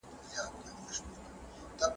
د عاید وېش باید عادلانه وي.